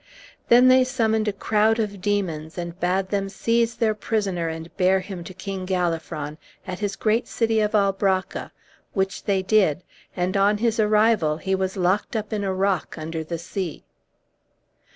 Then they summoned a crowd of demons, and bade them seize their prisoner and bear him to King Galafron, at his great city of Albracca, which they did, and, on his arrival, he was locked up in a rock under the sea.